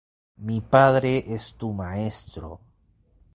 Mi padre es tu maestro.